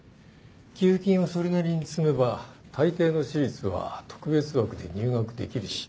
寄付金をそれなりに積めば大抵の私立は特別枠で入学できるし。